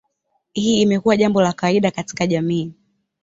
Hii imekuwa jambo la kawaida katika jamii.